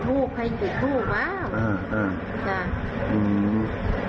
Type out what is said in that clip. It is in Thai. อือ